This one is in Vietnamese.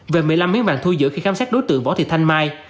về một mươi năm miếng mạng thu giữ khi khám xét đối tượng võ thị thanh mai